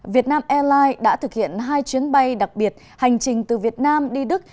việt nam airlines đã thực hiện hai chuyến bay đặc biệt hành trình từ việt nam đi đức